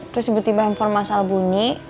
terus tiba tiba handphone masal bunyi